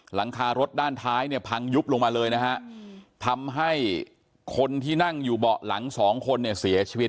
หลังคารถด้านท้ายเนี่ยพังยุบลงมาเลยนะฮะทำให้คนที่นั่งอยู่เบาะหลังสองคนเนี่ยเสียชีวิต